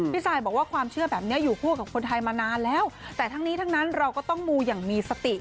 ซายบอกว่าความเชื่อแบบนี้อยู่คู่กับคนไทยมานานแล้วแต่ทั้งนี้ทั้งนั้นเราก็ต้องมูอย่างมีสติ